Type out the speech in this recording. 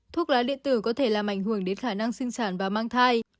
thuốc lá điện tử có thể làm ảnh hưởng đến khả năng sinh sản và mang thai